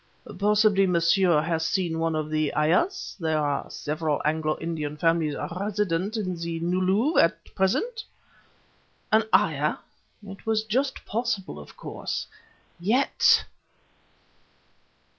"Possibly monsieur has seen one of the ayahs? There are several Anglo Indian families resident in the New Louvre at present." An ayah? It was just possible, of course. Yet